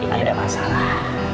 gak ada masalah